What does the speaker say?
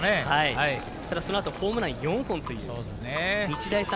そのあとホームラン４本という日大三